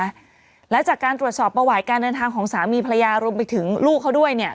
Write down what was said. และจากการตรวจสอบประวัติการเดินทางของสามีภรรยารวมไปถึงลูกเขาด้วยเนี่ย